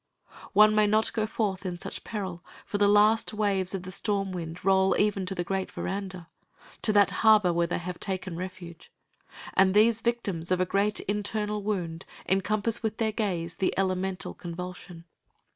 One may not go forth in such peril, for the last waves of the storm wind roll even to the great veranda, to that harbor where they have taken refuge; and these victims of a great internal wound encompass with their gaze the elemental convulsion.